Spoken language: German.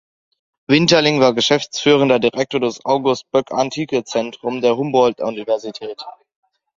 Winterling war geschäftsführender Direktor des August-Boeckh-Antikezentrums der Humboldt-Universität.